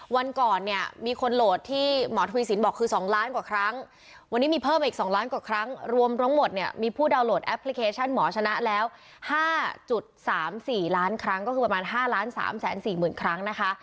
วันก่อนเนี้ยมีคนโหลดที่หมอธุมีศิลป์บอกคือสองล้านกว่าครั้งวันนี้มีเพิ่มอีกสองล้านกว่าครั้งรวมรวมหมดเนี้ยมีผู้ดาวน์โหลดแอปพลิเคชันหมอชนะแล้วห้าจุดสามสี่ล้านครั้งก็คือประมาณห้าล้านสามแสนสี่หมื่นครั้งนะคะ